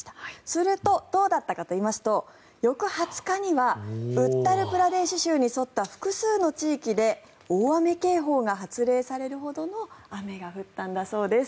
するとどうだったかといいますと翌２０日にはウッタルプラデーシュ州に沿った複数の地域で大雨警報が発令されるほどの雨が降ったんだそうです。